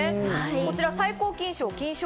こちら最高金賞。